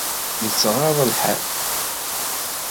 Yettɣaḍ lḥal.